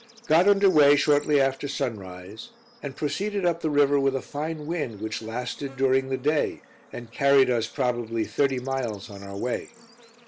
Got under way shortly after sunrise, and proceeded up the river with a fine wind, which lasted during the day, and carried us probably thirty miles on our way.